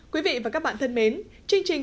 quý vị và các bạn thân mến chương trình